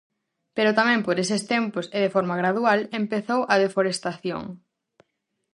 Pero tamén por eses tempos e de forma gradual, empezou a deforestación.